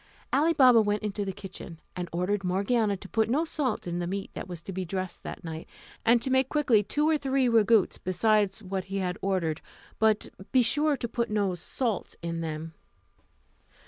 Ali Baba went into the kitchen, and ordered Morgiana to put no salt to the meat that was to be dressed that night; and to make quickly two or three ragouts besides what he had ordered, but be sure to put no salt in them.